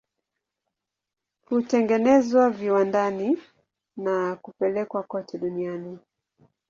Hutengenezwa viwandani na kupelekwa kote duniani.